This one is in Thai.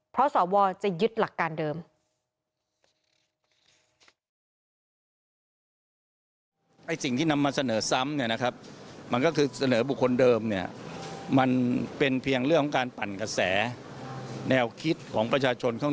เพราะสวจะยึดหลักการเดิม